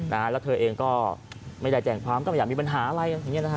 แล้วเธอเองก็ไม่ได้แจ้งความต้องอยากมีปัญหาอะไร